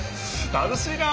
楽しいな！